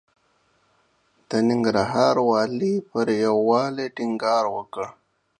د ننګرهار والي پر يووالي ټينګار وکړ.